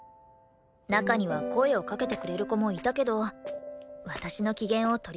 中には声をかけてくれる子もいたけど私の機嫌を取りたいだけ。